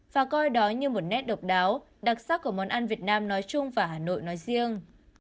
và coi đó như một nét độc đáo đặc sắc của món ăn việt nam nói chung và hà nội nói riêng